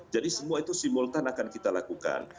jadi semua itu simultan akan kita lakukan